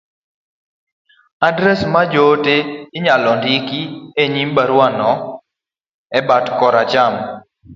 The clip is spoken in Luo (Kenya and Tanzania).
adres ma jaote inyalo ndiko e nyim baruano, e bat koracham,